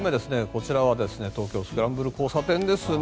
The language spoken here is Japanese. こちらは東京のスクランブル交差点です。